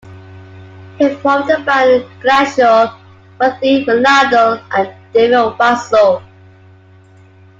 He formed the band Glacial with Lee Ranaldo and David Watso.